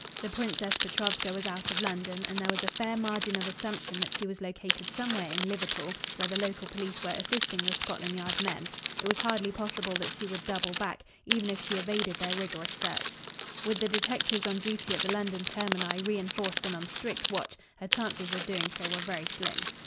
The Princess Petrovska was out of London, and there was a fair margin of assumption that she was located somewhere in Liverpool, where the local police were assisting the Scotland Yard men. It was hardly possible that she would double back, even if she evaded their rigorous search. With the detectives on duty at the London termini reinforced and on strict watch, her chances of doing so were very slim.